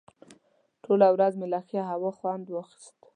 ټوله ورځ مې له ښې هوا خوند واخیست.